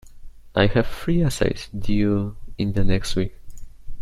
I have three essays due in the next week.